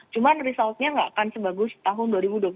cuma resultnya nggak akan sebagus tahun dua ribu dua puluh satu